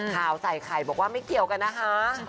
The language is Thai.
ข่าวใส่ไข่บอกว่าไม่เกี่ยวกันนะคะ